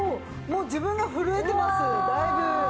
もう自分が震えてますだいぶ。